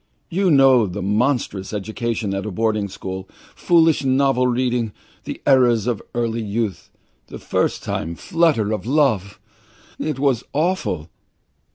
You know the monstrous education at a boarding school, foolish novel reading, the errors of early youth, the first timid flutter of love. It was awful!